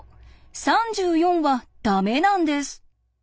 ３４はダメなんです。